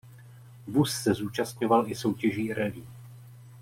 Vůz se zúčastňoval i soutěží rallye.